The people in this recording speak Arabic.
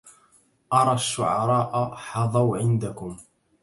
أرى الشعراء حظوا عندكم